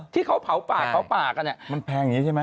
ที่เขาเผาป่าเผาป่ากันเนี่ย